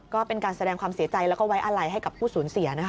ก็เป็นการแสดงความเสียใจแล้วก็ไว้อะไรให้กับผู้สูญเสียนะคะ